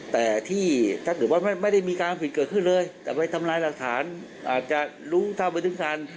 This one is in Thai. แต่ที่ถ้าเกิดว่าไม่ได้มีการผิดเกิดขึ้นเลยแต่ไปทำลายหลักฐานอาจจะรู้เท่าไม่ถึงการ